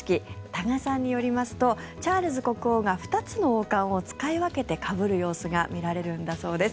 多賀さんによりますとチャールズ国王が２つの王冠を使い分けてかぶる様子が見られるんだそうです。